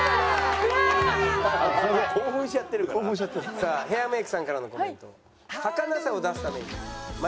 さあヘアメイクさんからのコメント。